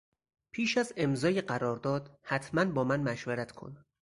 پیش از امضای قرارداد حتما با من مشورت کن.